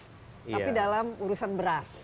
tapi dalam urusan beras